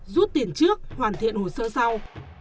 rút tiền trước hoàn thiện hồ sơ sau